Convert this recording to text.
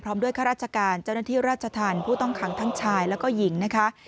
ด้วยข้าราชการเจ้าหน้าที่ราชธรรมผู้ต้องขังทั้งชายแล้วก็หญิงนะคะ